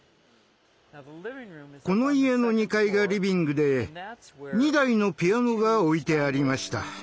この家の２階がリビングで２台のピアノが置いてありました。